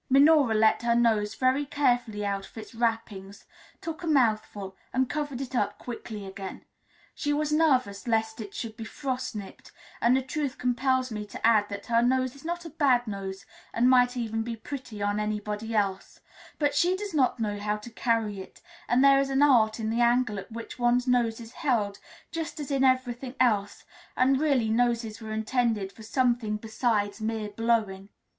Minora let her nose very carefully out of its wrappings, took a mouthful, and covered it up quickly again. She was nervous lest it should be frost nipped, and truth compels me to add that her nose is not a bad nose, and might even be pretty on anybody else; but she does not know how to carry it, and there is an art in the angle at which one's nose is held just as in everything else, and really noses were intended for something besides mere blowing.